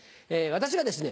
私がですね